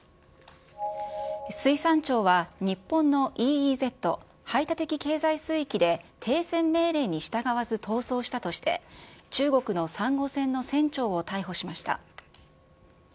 水産庁は、日本のＥＥＺ・排他的経済水域で停船命令に従わず逃走したとして、中国のさんご船の船長を逮捕しました。